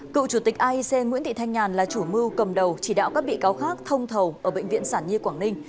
cựu chủ tịch aec nguyễn thị thanh nhàn là chủ mưu cầm đầu chỉ đạo các bị cáo khác thông thầu ở bệnh viện sản nhi quảng ninh